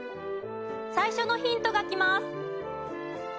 最初のヒントがきます。